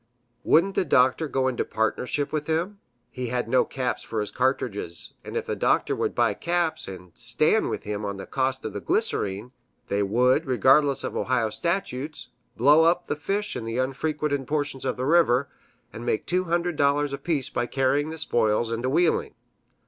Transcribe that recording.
Wouldn't the Doctor go into partnership with him? He had no caps for his cartridges, and if the Doctor would buy caps and "stan' in with him on the cost of the glyser_een_," they would, regardless of Ohio statutes, blow up the fish in unfrequented portions of the river, and make two hundred dollars apiece by carrying the spoils in to Wheeling.